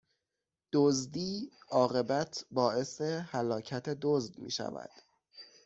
دزدی، عاقبت باعث هلاکت دزد میشود